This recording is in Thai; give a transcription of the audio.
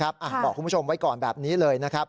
บอกคุณผู้ชมไว้ก่อนแบบนี้เลย